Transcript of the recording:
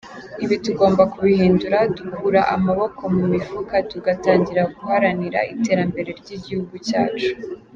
Ibi tugomba kubihindura, dukura amaboko mu mifuka tugatangira guharanira iterambere ry’igihugu cyacu.